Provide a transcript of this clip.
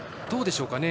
どうでしょう。